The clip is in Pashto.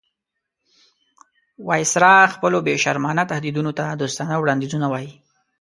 وایسرا خپلو بې شرمانه تهدیدونو ته دوستانه وړاندیزونه وایي.